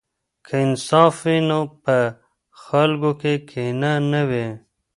که انصاف وي نو په خلکو کې کینه نه وي.